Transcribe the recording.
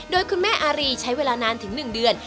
โดยคุณแม่อารีใช้เวลานานถึง๑เดือน